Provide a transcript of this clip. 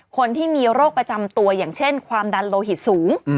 คนที่มีโรคประจำตัวอย่างเช่นความดันโลหิตสูง